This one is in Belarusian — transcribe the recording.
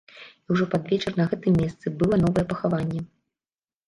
І ўжо пад вечар на гэтым месцы была новае пахаванне.